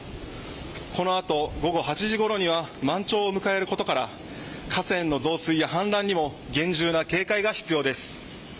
このあと午後８時ごろには満潮を迎えることから河川の増水や氾濫にも厳重な警戒が必要です。